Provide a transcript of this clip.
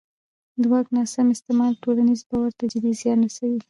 د واک ناسم استعمال ټولنیز باور ته جدي زیان رسوي